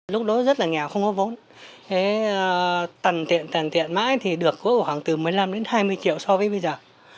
lúc đó rất là nghèo không có vốn tần tiện tần tiện mãi thì được có khoảng từ một mươi năm đến hai mươi triệu so với bây giờ